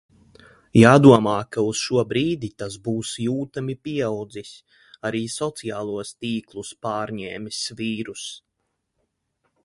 Jādomā, ka uz šo brīdi tas būs jūtami pieaudzis. Arī sociālos tīklus pārņēmis vīruss.